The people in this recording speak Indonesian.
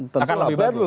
tentu lebih bagus